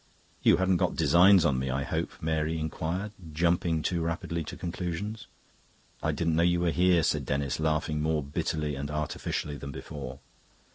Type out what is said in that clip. "You hadn't got designs on me, I hope?" Mary inquired, jumping too rapidly to conclusions. "I didn't know you were here," said Denis, laughing more bitterly and artificially than before.